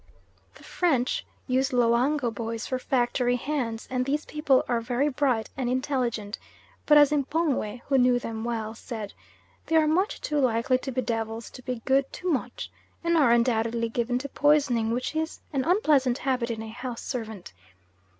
The French use Loango boys for factory hands, and these people are very bright and intelligent, but as a M'pongwe, who knew them well, said: "They are much too likely to be devils to be good too much" and are undoubtedly given to poisoning, which is an unpleasant habit in a house servant.